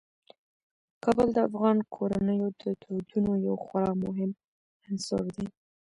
کابل د افغان کورنیو د دودونو یو خورا مهم عنصر دی.